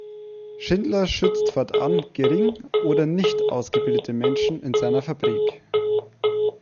Schindler schützt fortan gering oder nicht ausgebildete Menschen in seiner Fabrik.